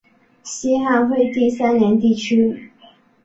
西汉惠帝三年地区。